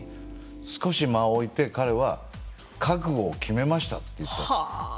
少し間を置いて、彼は覚悟を決めましたと言ったんです。